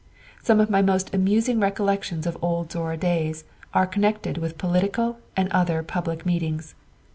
"Some of my most amusing recollections of old Zorra days are connected with political and other public meetings.